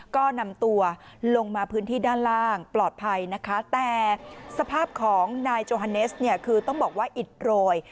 ก็นำตัวลงมาพื้นที่ด้านล่างปลอดภัยนะคะแต่สภาพของนายโจฮาเนสเนี่ยคือต้องบอกว่าอิดโรย